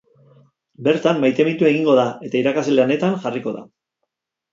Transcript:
Bertan maitemindu egingo da, eta irakasle lanetan jarriko da.